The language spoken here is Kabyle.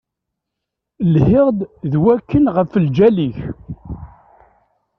Lhiɣ-d d wakken ɣef lǧal-ik.